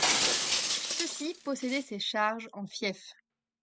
Ceux-ci possédaient ces charges en fiefs.